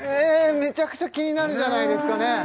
めちゃくちゃ気になるじゃないですかね